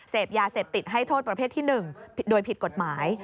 เสพยาเสพติดให้โทษประเภทที่๑โดยผิดกฎหมาย